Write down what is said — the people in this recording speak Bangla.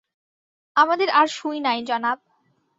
আমাদের আর সুই নাই, জনাব!